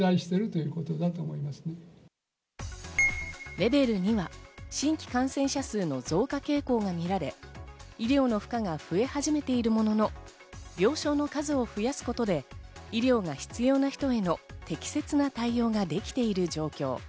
レベル２は新規感染者数の増加傾向がみられ、医療の負荷が増え始めているものの病床の数を増やすことで医療が必要な人への適切な対応ができている状況。